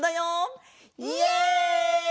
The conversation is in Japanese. イエイ！